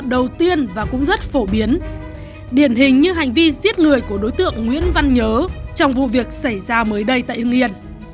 điển hình như hành vi giết người của đối tượng nguyễn văn nhớ trong vụ việc xảy ra mới đây tại hưng yên